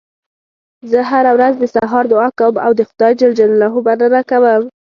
زه هره ورځ د سهار دعا کوم او د خدای ج مننه کوم